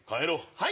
はい。